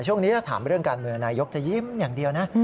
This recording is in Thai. ช่วงนี้ถ้าถามเรื่องการเมืองนายกจะยิ้มอย่างเดียวนะ